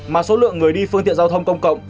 mà số lượng người đi phương tiện giao thông công cộng